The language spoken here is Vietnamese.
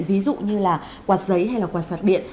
ví dụ như là quạt giấy hay là quạt sạc điện